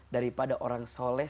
daripada orang soleh